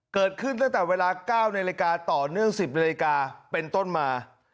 เกิดขึ้นตั้งแต่เวลา๙นาฬิกาต่อเนื่อง๑๐นาฬิกาเป็นต้นมา